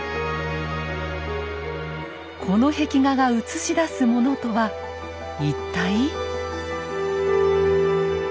この壁画が映し出すものとは一体。